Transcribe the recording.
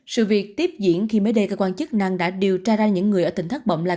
sự việc tiếp diễn khi mấy đề cơ quan chức năng đã điều tra ra những người ở tỉnh thất bồng lai